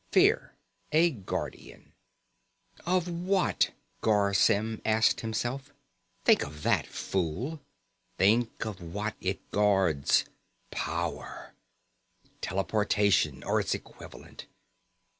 Fear, a guardian. Of what? Garr Symm asked himself. Think of that, fool. Think of what it guards. Power Teleportation or its equivalent.